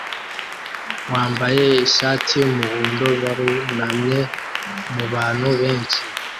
wambaye ishati yumuhondo barunamye mubantu benshi